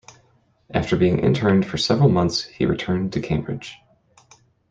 After being interned for several months he returned to Cambridge.